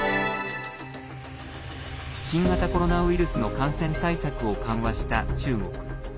新型コロナウイルスの感染対策を緩和した中国。